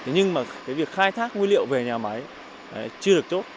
nhưng mà việc khai thác nguyên liệu về nhà máy chưa được tốt